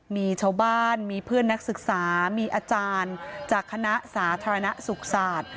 มีชาวบ้านมีเพื่อนนักศึกษามีอาจารย์จากคณะสาธารณสุขศาสตร์